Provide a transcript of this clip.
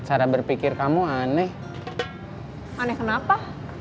cara berpikir kamu aneh aneh kenapa